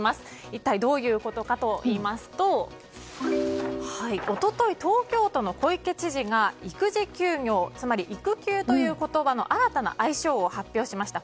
一体どういうことかといいますと一昨日、東京都の小池知事が育児休業つまり育休という言葉の新たな愛称を発表しました。